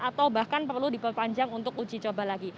atau bahkan perlu diperpanjang untuk uji coba lagi